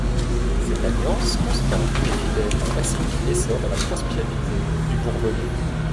Cette alliance constante et fidèle facilite l'essor et la prospérité du Bourbonnais.